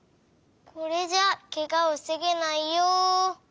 これじゃケガをふせげないよ。